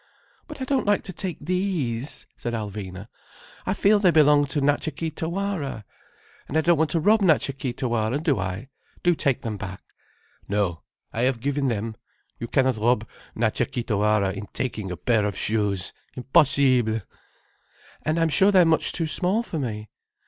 "But I don't like to take these," said Alvina. "I feel they belong to Natcha Kee Tawara. And I don't want to rob Natcha Kee Tawara, do I? Do take them back." "No, I have given them. You cannot rob Natcha Kee Tawara in taking a pair of shoes—impossible!" "And I'm sure they are much too small for me."